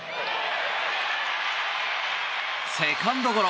セカンドゴロ。